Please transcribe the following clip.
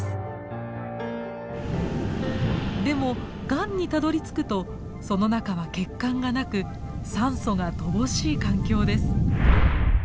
でもがんにたどりつくとその中は血管がなく酸素が乏しい環境です。